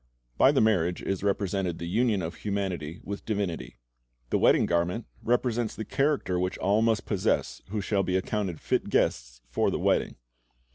By the marriage is represented the union of humanity with divinity; the wedding garment represents the character which all must possess who shall be accounted fit guests for the wedding.